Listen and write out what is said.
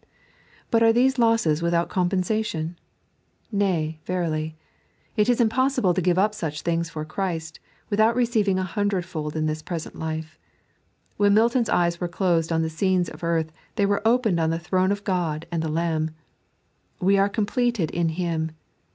But are these losses without compensation ? Nay, verily. It is impossible to give up such things for Christ, without receiving a hundredfold in this present life. When Milton's eyes were closed on the scenes of earth, they were opened on the Throne of God and the Lamb. We are completed in Him.